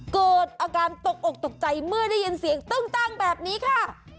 เกิดอาการตกอกตกใจเมื่อได้ยินเสียงตึ้งตั้งแบบนี้ค่ะ